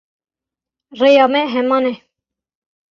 Rêya me heman e?